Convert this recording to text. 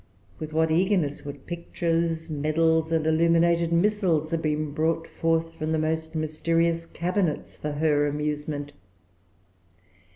With what eagerness would pictures, medals, and illuminated missals have been brought forth from the most mysterious cabinets for her amusement!